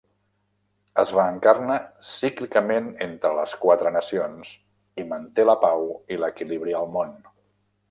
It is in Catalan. Es reencarna cíclicament entre les quatre nacions i manté la pau i l'equilibri al món.